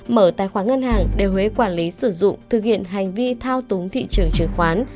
mở tài khoản ngân hàng để huế quản lý sử dụng thực hiện hành vi thao túng thị trường chứng khoán